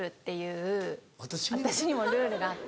私にもルールがあって。